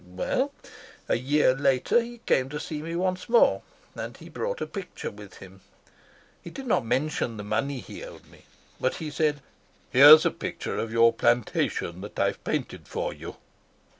Well, a year later he came to see me once more, and he brought a picture with him. He did not mention the money he owed me, but he said: 'Here is a picture of your plantation that I've painted for you.'